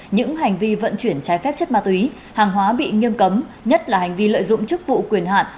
những hành vi vận chuyển trái phép chất ma túy hàng hóa bị nghiêm cấm nhất là hành vi lợi dụng chức vụ quyền hạn